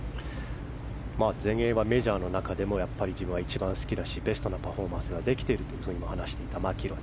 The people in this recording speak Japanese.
全英はメジャーの中でも自分は一番好きだとベストなパフォーマンスができていると話してたマキロイ。